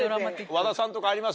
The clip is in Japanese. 和田さんとかあります？